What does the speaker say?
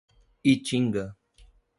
Itinga